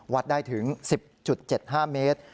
วัดได้ถึง๑๐๗๕เมตร